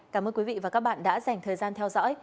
cảm ơn quý vị và các bạn đã dành thời gian theo dõi